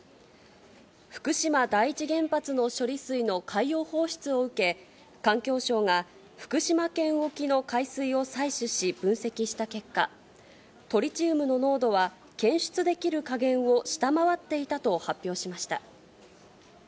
福島第一原発の処理水の海洋放出を受け、環境省が、福島県沖の海水を採取し分析した結果、トリチウムの濃度は検出できる下限を下回っていたと発表しました。